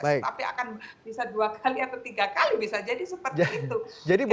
tapi akan bisa dua kali atau tiga kali bisa jadi seperti itu